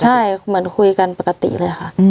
ใช่เหมือนคุยกันปกติเลยค่ะ